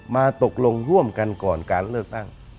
มาตกลงร่วมกันก่อนการเลือกตั้ง